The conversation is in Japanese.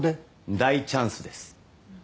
大チャンスです